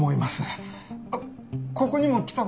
あっここにも来た事があって。